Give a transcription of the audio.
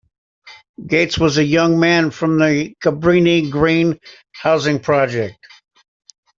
Gates was a young man from the Cabrini-Green housing projects.